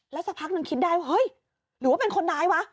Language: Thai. สักพักนึงคิดได้ว่าเฮ้ยหรือว่าเป็นคนร้ายวะ